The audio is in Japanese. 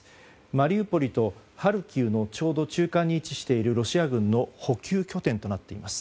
マリウポリとハルキウのちょうど中間に位置しているロシア軍の補給拠点となっています。